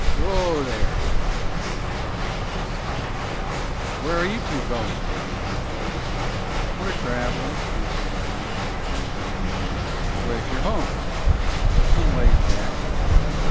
"Whoa, there," he said. The horse stopped. "Where are you two goin'?" he asked. "We're travelin'," answered Abner, noncommittally. "Where's your home?" "Some ways back."